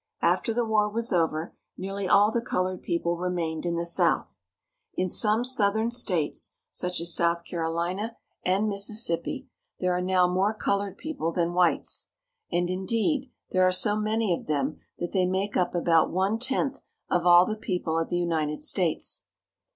After the war was over nearly all the colored people remained in the South. In some NORFOLK. 101 southern states, such as South Carolina and Mississippi, there are now more colored people than whites, and, in deed, there are so many of them that they make up about one tenth of all the people of the United States.